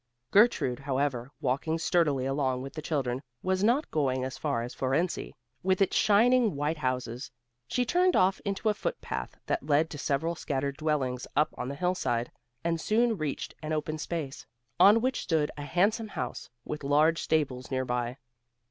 Gertrude, however, walking sturdily along with the children, was not going as far as Fohrensee, with its shining white houses. She turned off into a foot path that led to several scattered dwellings up on the hillside, and soon reached an open space, on which stood a handsome house, with large stables near by.